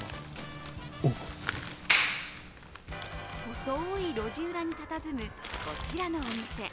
細い路地裏にたたずむこちらのお店。